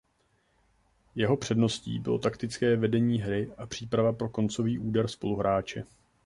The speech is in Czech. Jeho předností bylo taktické vedení hry a příprava pro koncový úder spoluhráče.